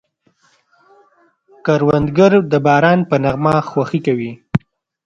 کروندګر د باران په نغمه خوښي کوي